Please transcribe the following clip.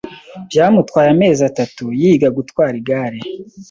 Byamutwaye amezi atatu yiga gutwara igare.